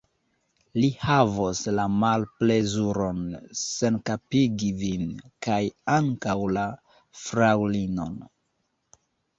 Li havos la malplezuron senkapigi vin, kaj ankaŭ la fraŭlinon.